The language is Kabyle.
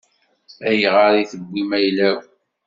Ayɣer i tewwim ayla-w?